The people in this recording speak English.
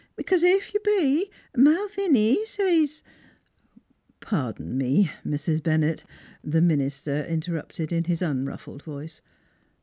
" Because if you be, Malviny says "" Pardon me, Mrs. Bennett," the minister interrupted in his unruffled voice.